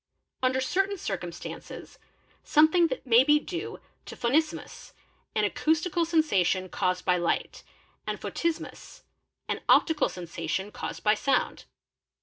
i Under certain circumstances, something may be due to Phonismus, an 'acoustical sensation caused by light, and Photismus, an optical sensation caused by sound.